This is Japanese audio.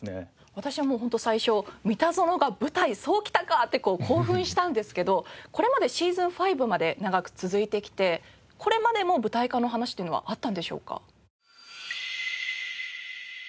私はもうホント最初『ミタゾノ』が舞台そう来たかって興奮したんですけどこれまでシーズン５まで長く続いてきてこれまでも舞台化の話っていうのはあったんでしょうか？